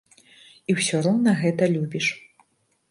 І ўсё роўна гэта любіш.